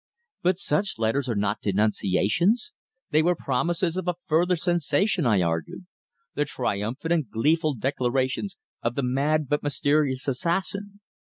"But such letters are not denunciations. They were promises of a further sensation," I argued. "The triumphant and gleeful declarations of the mad but mysterious assassin.